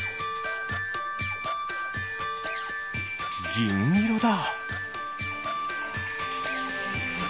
ぎんいろだ。